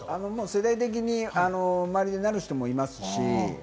世代的に周りでなる人もいますし。